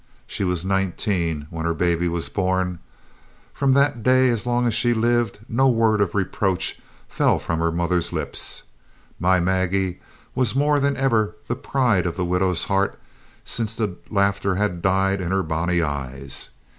She was nineteen when her baby was born. From that day, as long as she lived, no word of reproach fell from her mother's lips. "My Maggie" was more than ever the pride of the widow's heart since the laughter had died in her bonny eyes.